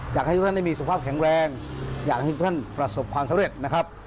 อยากให้ทุกท่านได้มีสุขภาพแข็งแรงอยากให้ทุกท่านประสบความสำเร็จนะครับ